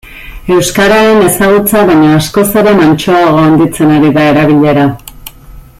Euskararen ezagutza baino askoz ere mantsoago handitzen ari da erabilera.